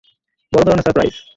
বড় ধরনের সারপ্রাইজ!